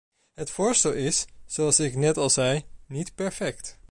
Het voorstel is, zoals ik net al zei, niet perfect.